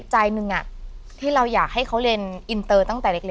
ใจหนึ่งที่เราอยากให้เขาเรียนอินเตอร์ตั้งแต่เล็ก